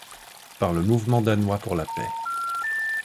Par le mouvement danois pour la paix.